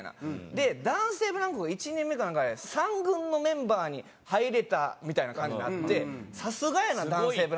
で男性ブランコが１年目かなんかで３軍のメンバーに入れたみたいな感じになってさすがやな男性ブランコ。